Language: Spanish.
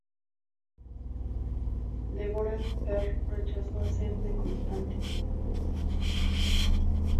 Deborah Kerr rechazó hacer de Constance.